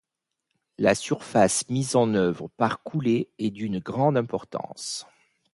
La surface mise en œuvre par coulée est d'une grande importance.